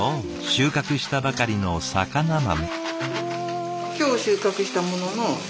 収穫したばかりの肴豆。